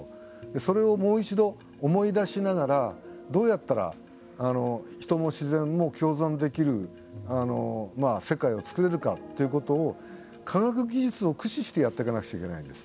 それを、もう一度思い出しながらどうやったら、人も自然も共存できる世界を作れるかということを科学技術を駆使してやっていかなくちゃいけないです。